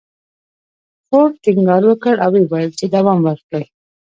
فورډ ټينګار وکړ او ويې ويل چې دوام ورکړئ.